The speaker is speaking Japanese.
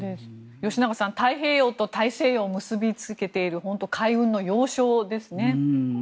吉永さん、太平洋と大西洋を結び続けている本当に海運の要衝ですね。